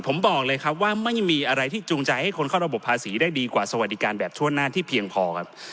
ผมบอกเลยครับว่าไม่มีอะไรที่จูงใจให้คนเข้าระบบภาษีได้ดีกว่าสวัสดิการแบบทั่วหน้าที่เพียงพอครับ